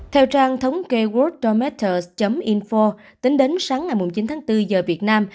theo trang thống kê world dormitors info tính đến sáng ngày chín tháng bốn giờ việt nam